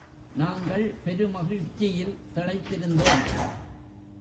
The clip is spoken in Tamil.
நாங்கள் பெருமகிழ்ச்சியில் திளைத்திருந்தோம்.